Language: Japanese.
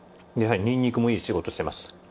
やはりにんにくもいい仕事してます。